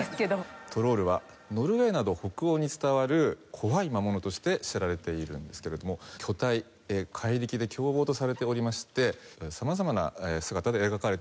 トロールはノルウェーなど北欧に伝わる怖い魔物として知られているんですけれども巨体怪力で凶暴とされておりまして様々な姿で描かれてきております。